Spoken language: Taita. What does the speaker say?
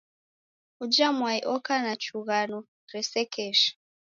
Uja mwai oka na chughano resekesha.